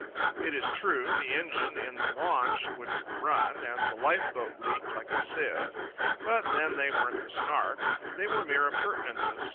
It is true, the engine in the launch wouldn't run, and the life boat leaked like a sieve; but then they weren't the Snark; they were mere appurtenances.